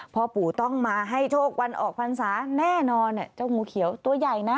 พ่อปู่ต้องมาให้โชควันออกพรรษาแน่นอนเจ้างูเขียวตัวใหญ่นะ